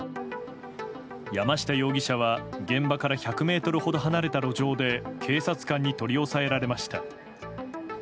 山下容疑者は現場から１００ｍほど離れた路上で警察官に取り押さえられました。